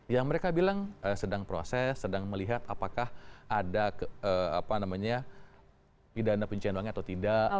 yang mereka bilang sedang proses sedang melihat apakah ada pidana pencucian uangnya atau tidak